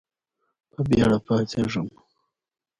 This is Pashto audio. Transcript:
په بېړه پاڅېږم .